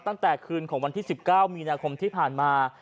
ตั้งแต่คืนของวันที่๑๙มีนาคมที่ผ่านมา